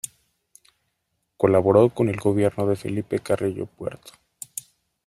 Colaboró con el gobierno de Felipe Carrillo Puerto.